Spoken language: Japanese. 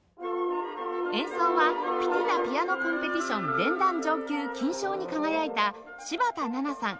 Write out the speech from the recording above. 演奏はピティナ・ピアノコンペティション連弾上級金賞に輝いた芝田奈々さん